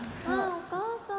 お母さん。